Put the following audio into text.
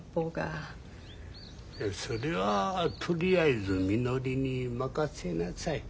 それはとりあえずみのりに任せなさい。